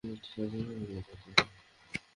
টিনাকে কীভাবে বিয়ে করতে পারি?